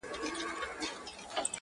زه به درسمه په لپه منګی ورو ورو ډکومه!